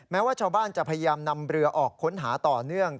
แม้ว่าชาวบ้านจะพยายามนำเรือออกค้นหาต่อเนื่อง